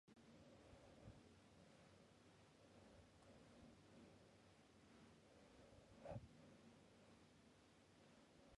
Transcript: Grant moved to the United Kingdom when she was a baby.